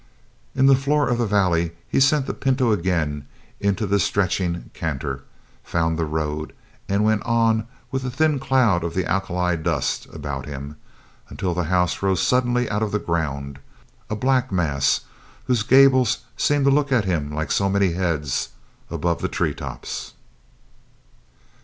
In the floor of the valley he sent the pinto again into the stretching canter, found the road, and went on with a thin cloud of the alkali dust about him until the house rose suddenly out of the ground, a black mass whose gables seemed to look at him like so many heads above the tree tops.